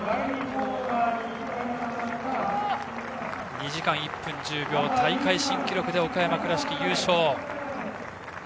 ２時間１分１０秒、大会新記録で岡山・倉敷が優勝。